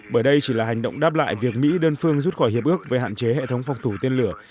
bởi đây chỉ là hành động đáp lại việc mỹ đơn phương rút khỏi hiệp ước về hạn chế hệ thống phòng thủ tên lửa